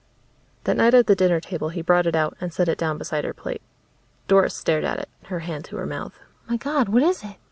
That night at the dinner table he brought it out and set it down beside her plate. Doris stared at it, her hand to her mouth. "My God, what is it?"